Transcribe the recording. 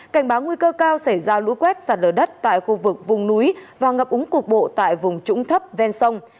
cảnh báo nguy cơ cao xảy ra lũ quét sạt lở đất tại khu vực vùng núi và ngập úng cục bộ tại vùng trũng thấp ven sông